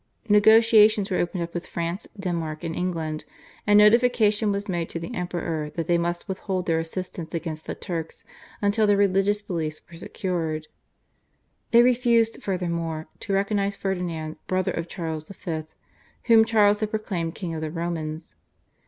Negotiations were opened up with France, Denmark, and England, and notification was made to the Emperor that they must withhold their assistance against the Turks until their religious beliefs were secured. They refused, furthermore, to recognise Ferdinand, brother of Charles V., whom Charles had proclaimed King of the Romans.